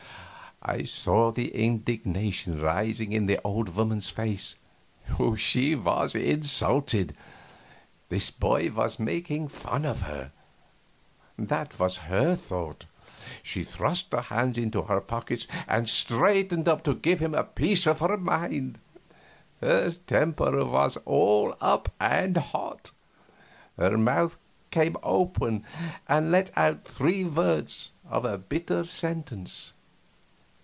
I saw the indignation rising in the old woman's face. She was insulted. This boy was making fun of her. That was her thought. She thrust her hands into her pockets and straightened up to give him a piece of her mind. Her temper was all up, and hot. Her mouth came open and let out three words of a bitter sentence